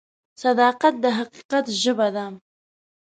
صداقت د حقیقت ژبه ده.